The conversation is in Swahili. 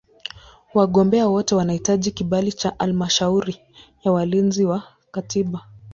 Wagombea wote wanahitaji kibali cha Halmashauri ya Walinzi wa Katiba.